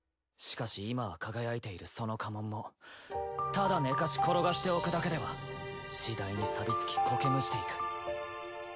しかし今は輝いているその家紋もただ寝かし転がしておくだけでは次第にサビつきコケむしていく。